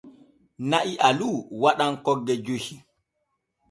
Na'i alu waɗan kogge joy.